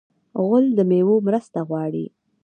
غول د میوو مرسته غواړي.